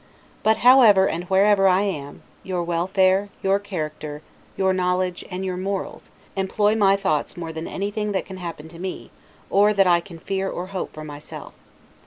But however and wherever I am, your welfare, your character, your knowledge, and your morals, employ my thoughts more than anything that can happen to me, or that I can fear or hope for myself.